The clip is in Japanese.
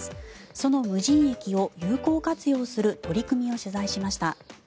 その無人駅を有効活用する取り組みを取材しました。